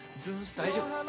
大丈夫？